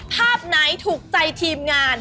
ภาพไหนถูกใจทีมงาน